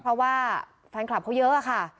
เพราะว่าแฟนคลับเขาเยอะค่ะ